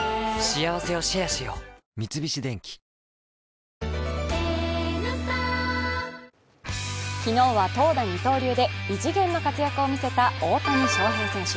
三菱電機昨日は投打二刀流で異次元の活躍を見せた大谷翔平選手。